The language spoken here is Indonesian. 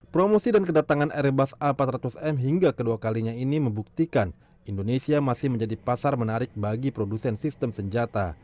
promosi dan kedatangan airbus a empat ratus m hingga kedua kalinya ini membuktikan indonesia masih menjadi pasar menarik bagi produsen sistem senjata